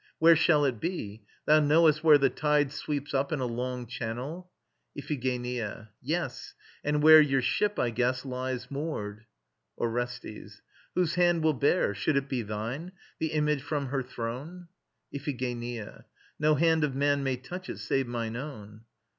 Where shall it be? Thou knowest where the tide Sweeps up in a long channel? IPHIGENIA. Yes! And where Your ship, I guess, lies moored. ORESTES. Whose hand will bear Should it be thine? the image from her throne? IPHIGENIA. No hand of man may touch it save mine own.